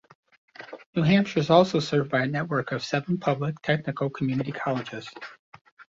New Hampshire is also served by a network of seven public, technical community colleges.